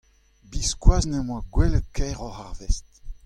Biskoazh ne'm boa gwelet kaeroc'h arvest.